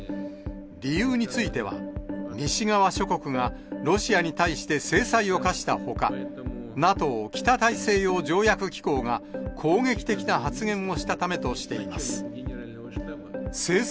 理由については、西側諸国がロシアに対して制裁を科したほか、ＮＡＴＯ・北大西洋条約機構が攻撃的な発言をしたためとしています。